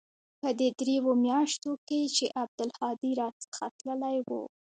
په دې درېو مياشتو کښې چې عبدالهادي را څخه تللى و.